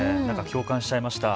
共感しちゃいました。